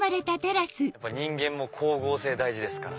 人間も光合成大事ですから。